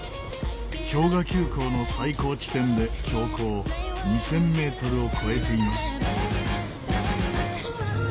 氷河急行の最高地点で標高２０００メートルを超えています。